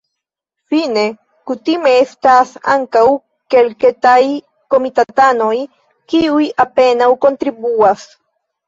Fine kutime estas ankaŭ kelketaj komitatanoj, kiuj apenaŭ kontribuas.